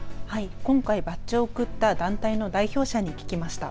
今回、バッジを贈った団体の代表者に聞きました。